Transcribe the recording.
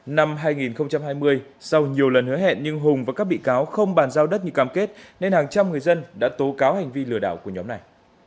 năm hai nghìn hai mươi sau nhiều lần hứa hẹn nhưng hùng và các bị cáo không bàn giao đất như cam kết nên hàng trăm người dân đã tố cáo hành vi lừa đảo của nhóm này